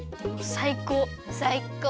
さいこう。